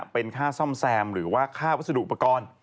เป็นค่าซ่อมแซมหรือว่าค่าวัสดุอุปกรณ์